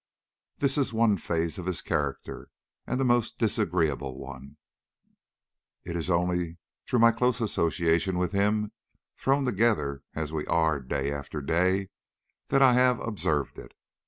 This is one phase of his character, and the most disagreeable one. It is only through my close association with him, thrown together as we are day after day, that I have observed it.